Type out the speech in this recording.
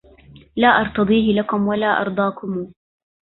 لا أرتضيه لكم ولا أرضاكمو